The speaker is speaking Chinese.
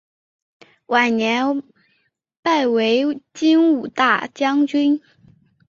晚年拜为金吾大将军。